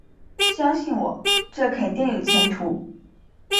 相信我，这肯定有前途